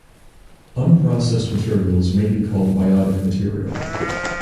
Unprocessed materials may be called biotic material.